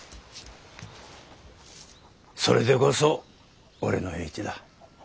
それでこそ俺の栄一だ。